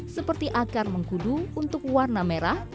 seperti akar mengkudu untuk warna merah